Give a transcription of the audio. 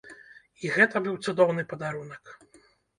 І гэта быў цудоўны падарунак.